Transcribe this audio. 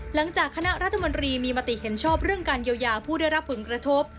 หลังจากคณะรัฐมนตรีมีมติเห็นชอบเรื่องการเยียวยาผู้ได้รับผลกระทบ